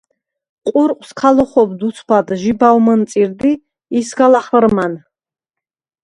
ყურყვს ქა ლოხობდ უცბად ჟიბავ მჷნწირდ ი ისგა ლა̈ხჷრმან.